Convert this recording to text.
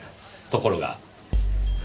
ところが。